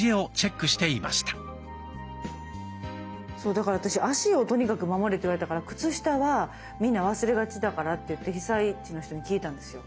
そうだから私足をとにかく守れって言われたから靴下はみんな忘れがちだからっていって被災地の人に聞いたんですよ。